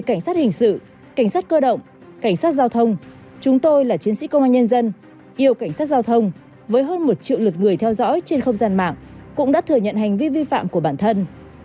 cảnh sát hình sự cảnh sát cơ động cảnh sát giao thông chúng tôi là chiến sĩ công an nhân dân yêu cảnh sát giao thông với hơn một triệu lượt người theo dõi trên không gian mạng cũng đã thừa nhận hành vi vi phạm của bản thân